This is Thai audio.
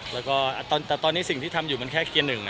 แต่ตอนนี้แต่สิ่งที่ทำอยู่มันแค่เกียร์หนึ่ง